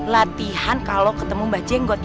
latihan kalau ketemu mbah jenggot